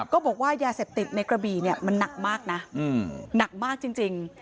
บอกว่ายาเสพติดในกระบี่เนี่ยมันหนักมากนะหนักมากจริง